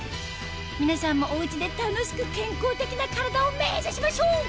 皆さんもお家で楽しく健康的な体を目指しましょう！